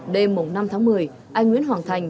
đêm năm tháng một mươi anh nguyễn hoàng thành